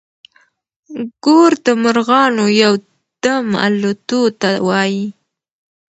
ګور د مرغانو يو دم الوتو ته وايي.